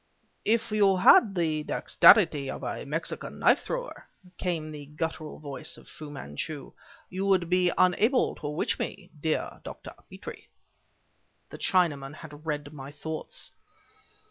"Even if you had the dexterity of a Mexican knife thrower," came the guttural voice of Fu Manchu, "you would be unable to reach me, dear Dr. Petrie." The Chinaman had read my thoughts.